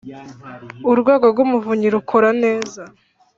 Urwego rw’ Umuvunyi rukora neza.